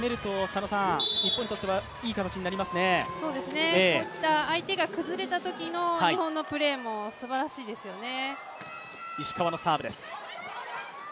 こういった相手が崩れたときの日本のプレーもすばらしいですよね。